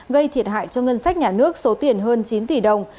gây thiệt hại cho ngân sách nhà nước số tiền hơn chín tỷ đồng